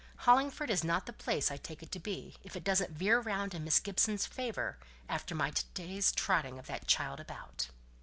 "Hollingford is not the place I take it to be, if it doesn't veer round in Miss Gibson's favour after my to day's trotting of that child about."